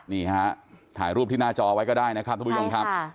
นี่ฮะถ่ายรูปที่หน้าจอไว้ก็ได้นะครับทุกผู้ชมครับ